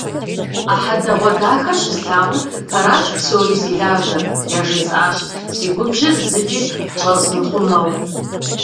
А хьэдэгъуэдахэр щыслъагъум, «Фэращ псори зи лажьэр!» яжесӏащ, си губжьыр зыкӏи щӏэзмыхъумэу.